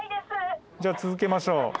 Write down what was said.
じゃあ続けましょう。